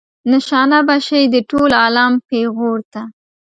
نشانه به شئ د ټول عالم پیغور ته.